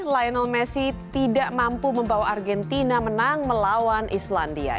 lionel messi tidak mampu membawa argentina menang melawan islandia